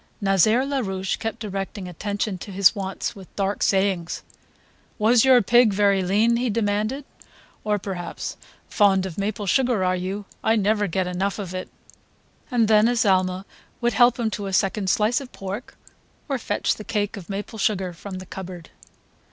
Nazaire Larouche kept directing attention to his wants with dark sayings: "Was your pig very lean?" he demanded; or perhaps: "Fond of maple sugar, are you? I never get enough of it ..." And then Azalma would help him to a second slice of pork or fetch the cake of maple sugar from the cupboard.